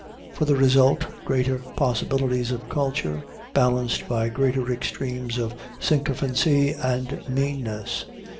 For the result, greater possibilities of culture, balanced by greater extremes of sycophancy and meanness.